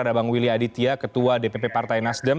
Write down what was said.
ada bang willy aditya ketua dpp partai nasdem